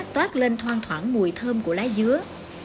toát lên thoang thoảng mùi thơm của lá dứa